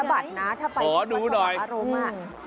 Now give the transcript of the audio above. ถ้าไปกรุงประสบอารมณ์อ๋อดูหน่อยอืมอืมอืมอ๋อดูหน่อย